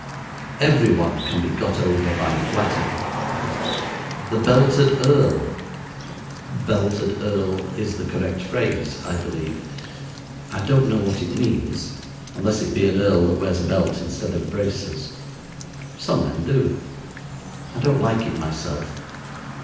Every one can be got over by flattery. The belted earl "belted earl" is the correct phrase, I believe. I don't know what it means, unless it be an earl that wears a belt instead of braces. Some men do. I don't like it myself.